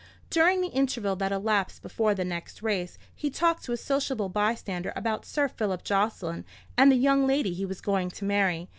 During the interval that elapsed before the next race, he talked to a sociable bystander about Sir Philip Jocelyn, and the young lady he was going to marry.